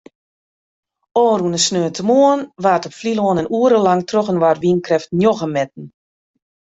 Ofrûne saterdeitemoarn waard op Flylân in oere lang trochinoar wynkrêft njoggen metten.